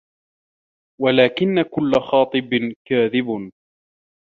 وَلَكِنْ كُلُّ خَاطِبٍ كَاذِبٌ